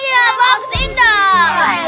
ya bagus indah